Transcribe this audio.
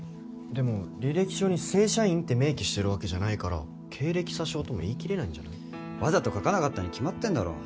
でも履歴書に正社員って明記してるわけじゃないから経歴詐称とも言い切れないんじゃない？わざと書かなかったに決まってんだろ。